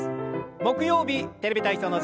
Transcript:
木曜日「テレビ体操」の時間です。